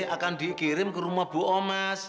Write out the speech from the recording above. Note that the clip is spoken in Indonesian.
akan dikirim ke rumah bu omas